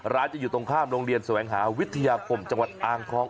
จะอยู่ตรงข้ามโรงเรียนแสวงหาวิทยาคมจังหวัดอ่างทอง